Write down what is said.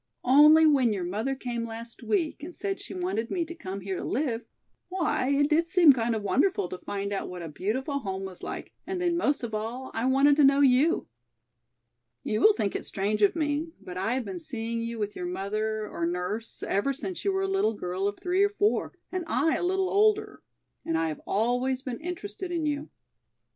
Only when your mother came last week and said she wanted me to come here to live, why it did seem kind of wonderful to find out what a beautiful home was like, and then most of all I wanted to know you. You will think it strange of me, but I have been seeing you with your mother or nurse ever since you were a little girl of three or four and I a little older, and I have always been interested in you."